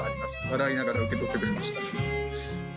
笑いながら受け取ってくれました。